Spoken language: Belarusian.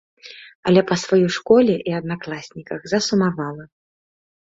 Але па сваёй школе і аднакласніках засумавала.